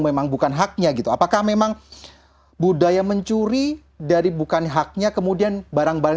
memang bukan haknya gitu apakah memang budaya mencuri dari bukan haknya kemudian barang barang